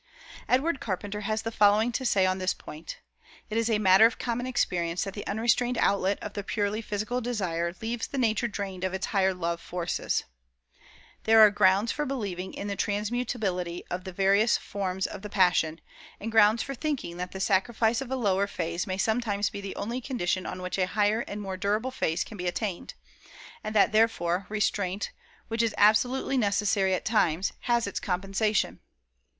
Edward Carpenter has the following to say on this point: "It is a matter of common experience that the unrestrained outlet of the purely physical desire leaves the nature drained of its higher love forces. There are grounds for believing in the transmutability of the various forms of the passion, and grounds for thinking that the sacrifice of a lower phase may sometimes be the only condition on which a higher and more durable phase can be attained; and that, therefore, restraint (which is absolutely necessary at times) has its compensation.